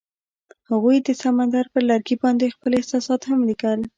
هغوی د سمندر پر لرګي باندې خپل احساسات هم لیکل.